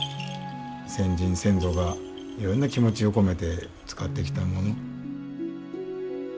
先人先祖がいろんな気持ちを込めて使ってきたもの。